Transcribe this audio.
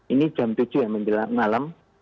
ini jam tujuh ya menjelang malam